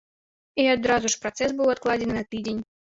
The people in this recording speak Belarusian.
І адразу ж працэс быў адкладзены на тыдзень.